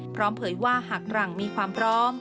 เผยว่าหากหลังมีความพร้อม